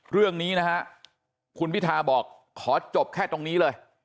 เรื่องนี้นะฮะคุณพิทาบอกขอจบแค่ตรงนี้เลย